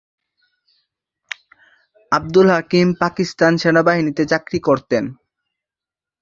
আবদুল হাকিম পাকিস্তান সেনাবাহিনীতে চাকরি করতেন।